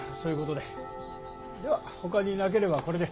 ではほかになければこれで。